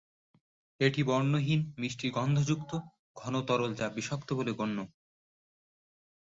এটি বর্ণহীন, মিষ্টি গন্ধযুক্ত, ঘন তরল যা বিষাক্ত বলে গণ্য।